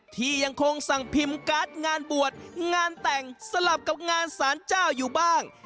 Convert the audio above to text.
ที่ยังคงสั่งพิมพ์การ์ดงานบวชงานแต่งสลับกับงานสารเจ้าอยู่บ้าง